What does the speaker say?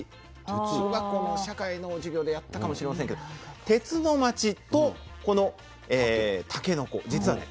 小学校の社会の授業でやったかもしれませんけど鉄の街とこのたけのこ実はね